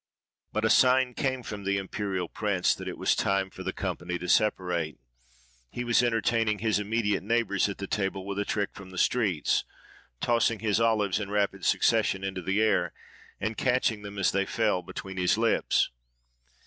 But a sign came from the imperial prince that it was time for the company to separate. He was entertaining his immediate neighbours at the table with a trick from the streets; tossing his olives in rapid succession into the air, and catching them, as they fell, between his lips.